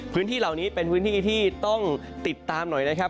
พื้นที่เหล่านี้เป็นพื้นที่ที่ต้องติดตามหน่อยนะครับ